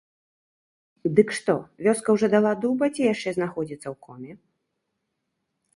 Дык што, вёска ўжо дала дуба ці яшчэ знаходзіцца ў коме?